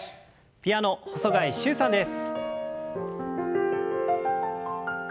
ピアノ細貝柊さんです。